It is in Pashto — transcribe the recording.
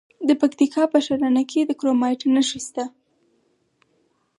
د پکتیکا په ښرنه کې د کرومایټ نښې شته.